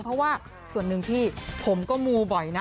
เพราะว่าส่วนหนึ่งพี่ผมก็มูบ่อยนะ